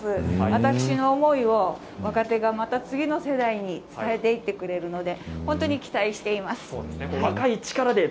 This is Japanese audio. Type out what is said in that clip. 私の思いを若手が次の世代に伝えてくれているので期待しています。